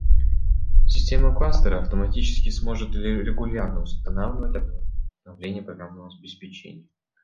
Система кластера автоматически сможет регулярно устанавливать обновления программного обеспечения